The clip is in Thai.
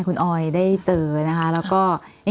คุณอ๋อยได้เจอนะคะ